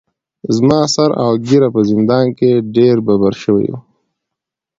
زما سر اوږېره په زندان کې ډیر ببر شوي وو.